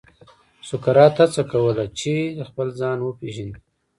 سقراط هڅه کوله چې خپل ځان وپېژني.